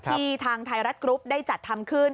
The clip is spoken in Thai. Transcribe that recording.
ทางไทยรัฐกรุ๊ปได้จัดทำขึ้น